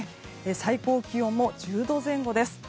最高気温も１０度前後です。